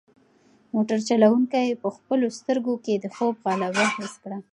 موټر چلونکی په خپلو سترګو کې د خوب غلبه حس کړه.